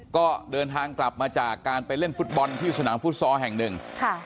ก็เดินทางกลับมาจากการไปเล่นฟุตบอลที่สนามฟุตซอลแห่งหนึ่งค่ะ